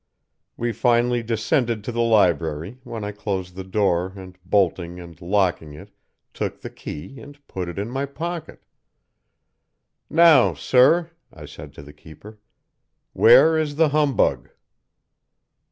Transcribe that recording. "We finally descended to the library, when I closed the door, and bolting and locking it, took the key and put it in my pocket. "'Now, Sir,' I said to the keeper, 'where is the humbug?'